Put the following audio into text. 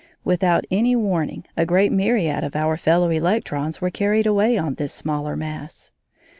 Without any warning a great myriad of our fellow electrons were carried away on this smaller mass.